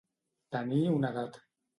Tenir una edat.